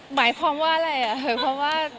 หมายความว่าอะไรอะ